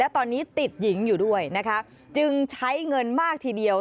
ตอนนี้ติดหญิงอยู่ด้วยนะคะจึงใช้เงินมากทีเดียว